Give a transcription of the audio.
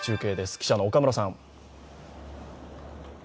記者の岡村さん。